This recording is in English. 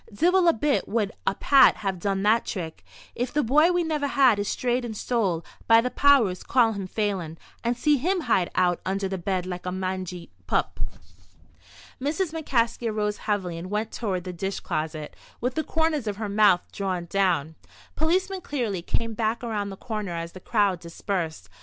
"Divil a bit would a Pat have done that trick. If the bye we never had is strayed and stole, by the powers, call him Phelan, and see him hide out under the bed like a mangy pup." Mrs. McCaskey arose heavily, and went toward the dish closet, with the corners of her mouth drawn down. Policeman Cleary came back around the corner as the crowd dispersed.